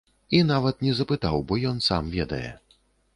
І нават не запытаў, бо ён сам ведае.